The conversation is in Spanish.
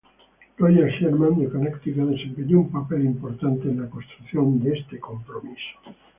Roger Sherman, de Connecticut, desempeñó un papel importante en la construcción de este compromiso.